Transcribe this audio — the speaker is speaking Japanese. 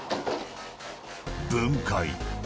分解。